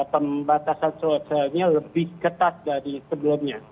pembatasan sosialnya lebih ketat dari sebelumnya